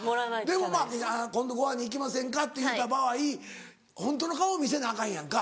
でもまぁ「今度ご飯に行きませんか」って言うた場合ホントの顔を見せなアカンやんか。